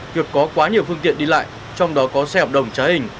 việc có quá nhiều phương tiện đi lại trong đó có xe hợp đồng trá hình